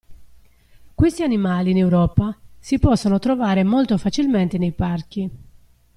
Questi animali, in Europa, si possono trovare molto facilmente nei parchi.